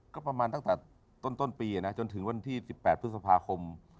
ก็ประมาณตั้งแต่ต้นปีนะจนถึงวันที่๑๘พฤษภาคม